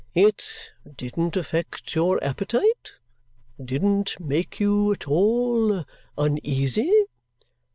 "It didn't affect your appetite? Didn't make you at all uneasy?"